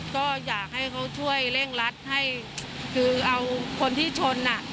ก็อยากให้เขาช่วยเร่งรัดให้คือเอาคนที่ชนอ่ะ